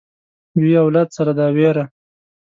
وي اولاد سره دا وېره